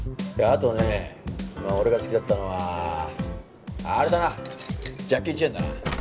あとね俺が好きだったのはあれだなジャッキー・チェンだな。